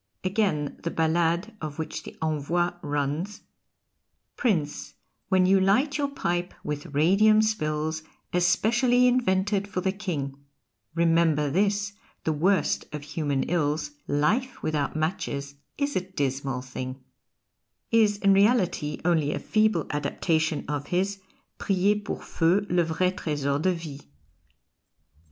Again, the ballade of which the "Envoi" runs: Prince, when you light your pipe with radium spills, Especially invented for the King Remember this, the worst of human ills: Life without matches is a dismal thing, is, in reality, only a feeble adaptation of his "Priez pour feu le vrai tresor de vie."